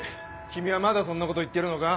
君はまだそんなこと言ってるのか？